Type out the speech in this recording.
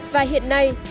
và hiện nay